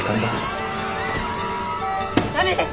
駄目です！